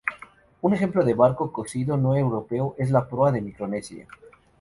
Un ejemplo de barco cosido no europeo es el proa de Micronesia.